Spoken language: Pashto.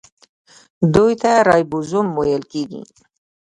دوی ته رایبوزوم ویل کیږي.